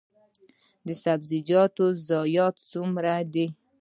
د سبزیجاتو ضایعات څومره دي؟